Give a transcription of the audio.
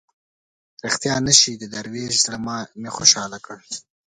ریښتیا نه شي د دروېش زړه مې خوشاله کړ.